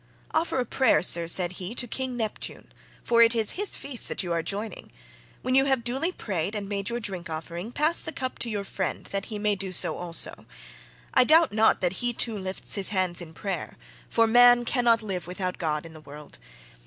"Offer a prayer, sir," said he, "to King Neptune, for it is his feast that you are joining; when you have duly prayed and made your drink offering, pass the cup to your friend that he may do so also. I doubt not that he too lifts his hands in prayer, for man cannot live without God in the world.